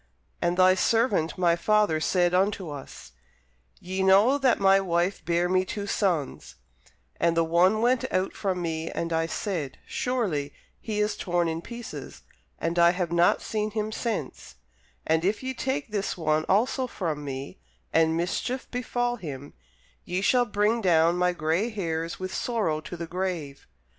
And thy servant my father said unto us, Ye know that my wife bare me two sons: and the one went out from me, and I said, Surely he is torn in pieces; and I have not seen him since: and if ye take this one also from me, and mischief befall him, ye shall bring down my gray hairs with sorrow to the grave.